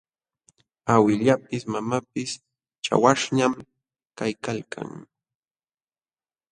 Awillapis mamapis chawaśhñam kaykalkan.